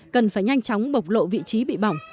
cần phải nhanh chóng bộc lộ vị trí bị bỏng